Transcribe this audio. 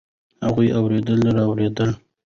هغه اوړېده رااوړېده.